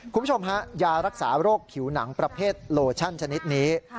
คุณผู้ชมฮะยารักษาโรคผิวหนังประเภทโลชั่นชนิดนี้